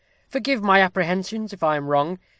Forgive my apprehensions if I am wrong.